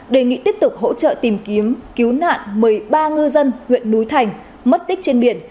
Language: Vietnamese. đề nghị tiếp tục hỗ trợ tìm kiếm cứu nạn một mươi ba ngư dân huyện núi thành mất tích trên biển